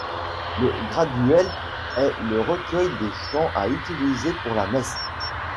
Le Graduel est le recueil des chants à utiliser pour la Messe.